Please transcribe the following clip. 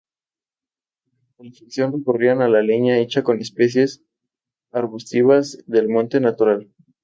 Para la calefacción recurrían a leña hecha con especies arbustivas del monte natural.